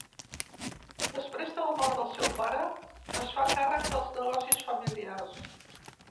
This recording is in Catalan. Després de la mort del seu pare, es fa càrrec dels negocis familiars.